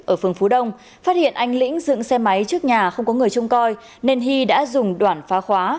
ở phường phú đông phát hiện anh lĩnh dựng xe máy trước nhà không có người trông coi nên hy đã dùng đoạn phá khóa